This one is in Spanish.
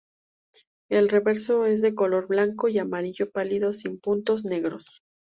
El reverso es de color blanco y amarillo pálido, sin puntos negros.